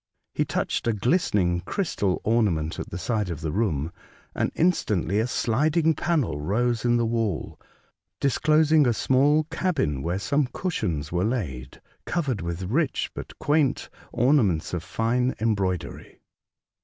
He touched a ghstening crystal ornament at the side of the room, and instantly a sliding panel rose in the wall, disclosing a. small cabin where some cushions were laid, co\ered with rich, but quaint, ornaments of fine embroidery.